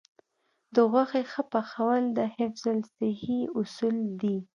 د غوښې ښه پخول د حفظ الصحې اصول دي.